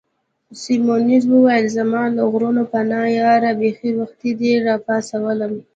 سیمونز وویل: زما له غرونو پناه یاره، بیخي وختي دي را وپاڅولم.